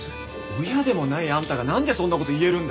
親でもないあんたがなんでそんな事言えるんだ？